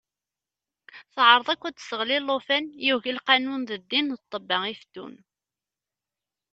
Teɛreḍ akk ad d-tesseɣli llufan yugi lqanun d ddin d ṭebba ifettun.